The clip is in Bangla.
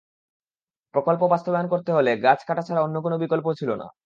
প্রকল্প বাস্তবায়ন করতে হলে গাছ কাটা ছাড়া অন্য কোনো বিকল্প ছিল না।